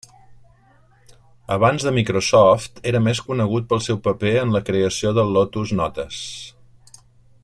Abans de Microsoft, era més conegut pel seu paper en la creació del Lotus Notes.